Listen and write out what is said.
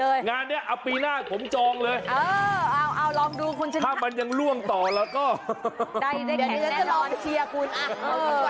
เพราะเมื่อกี๊เห็นมีคนถือคล่องมานี่โอ๊โฮ